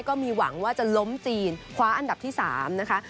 ก็มีหวังว่าจะล้มจีนคว้าอันดับที่๓นะคะ